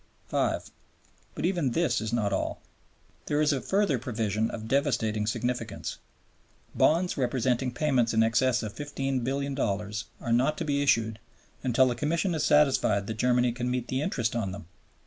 5. But even this is not all. There is a further provision of devastating significance. Bonds representing payments in excess of $15,000,000,000 are not to be issued until the Commission is satisfied that Germany can meet the interest on them.